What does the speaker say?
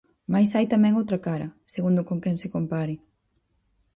Mais hai tamén outra cara, segundo con quen se compare.